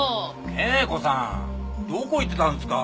圭子さんどこ行ってたんですか？